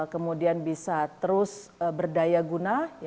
kemudian bisa terus berdaya guna